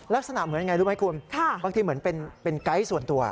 ลักษณะเหมือนยังไงรู้ไหมคุณบางทีเหมือนเป็นไกด์ส่วนตัว